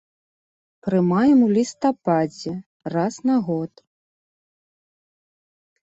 Прымаем у лістападзе, раз на год.